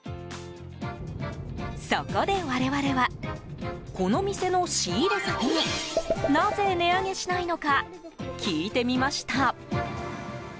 そこで我々はこの店の仕入れ先になぜ値上げしないのか聞いてみました。